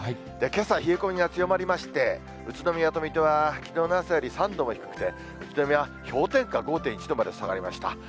けさ冷え込みが強まりまして、宇都宮と水戸は、きのうの朝より３度も低くて、宇都宮、氷点下５．１度まで下がりました。